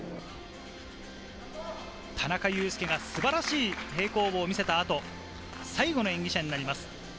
田中佑典が素晴らしい平行棒を見せた後、最後の演技者になります。